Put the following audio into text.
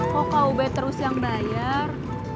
kok kube terus yang bayar